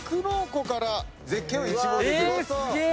すげえ！